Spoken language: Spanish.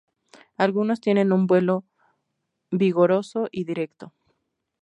Algunos tienen un vuelo vigoroso y directo.